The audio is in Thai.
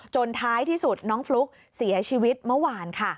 ท้ายที่สุดน้องฟลุ๊กเสียชีวิตเมื่อวานค่ะ